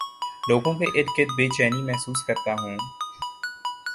لوگوں کے ارد گرد بے چینی محسوس کرتا ہوں